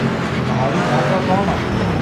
ଭାଇ ଭାଗ କଣ?